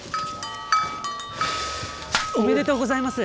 おめでとうございます。